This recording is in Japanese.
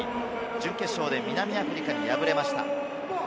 準決勝で南アフリカに敗れました。